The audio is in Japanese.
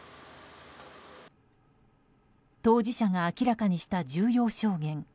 当事者が明らかにした重要証言。